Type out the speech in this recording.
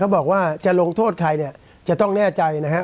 บอกว่าจะลงโทษใครเนี่ยจะต้องแน่ใจนะฮะ